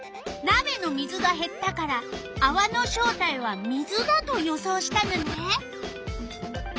なべの水がへったからあわの正体は水だと予想したのね。